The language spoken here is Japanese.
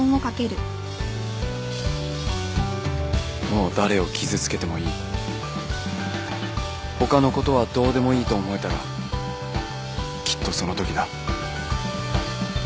もう誰を傷つけてもいい他のことはどうでもいいと思えたらきっとそのときだ